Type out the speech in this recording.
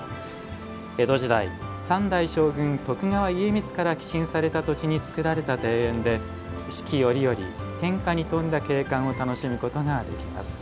江戸時代三代将軍・徳川家光から寄進された土地に造られた庭園で四季折々、変化に富んだ景観を楽しむことができます。